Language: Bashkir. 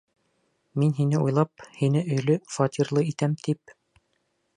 Мин һине уйлап, һине өйлө, фатирлы итәм тип...